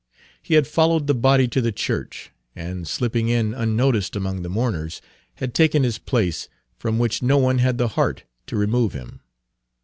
He had followed the body to the church, and, slipping in unnoticed among the mourners, had taken his place, from which no one had the heart to remove him.